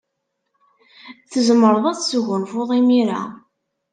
Tzemred ad tesgunfud imir-a.